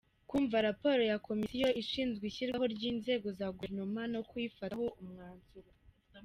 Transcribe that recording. Kumva raporo ya Komisiyo ishinzwe ishyirwaho ry’inzego za Guverinoma no kuyifataho umwanzuro.